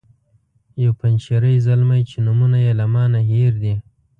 یو پنجشیری زلمی چې نومونه یې له ما نه هیر دي.